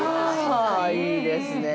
◆ああいいですね。